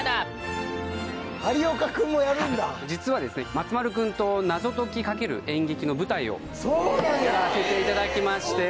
実はですね松丸君と謎解き×演劇の舞台をやらせていただきまして。